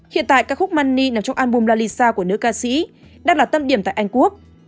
hiện tại các khúc money nằm trong album la lisa của nữ ca sĩ đang là tâm điểm tại anh quốc